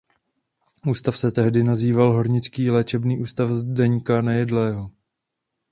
Ústav se tehdy nazýval Hornický léčebný ústav Zdeňka Nejedlého.